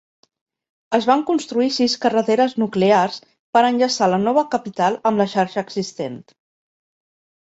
Es van construir sis carreteres nuclears per enllaçar la nova capital amb la xarxa existent.